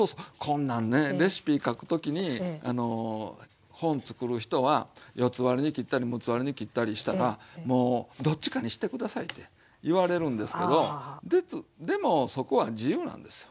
こんなんねレシピ書く時に本作る人は４つ割りに切ったり６つ割りに切ったりしたらもうどっちかにして下さいって言われるんですけどでもそこは自由なんですよ。